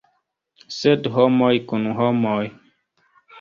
Sed homoj kun homoj.